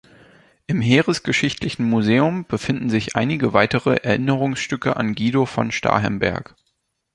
Im Heeresgeschichtlichen Museum befinden sich einige weitere Erinnerungsstücke an Guido von Starhemberg.